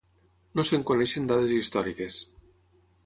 No se'n coneixen dades històriques.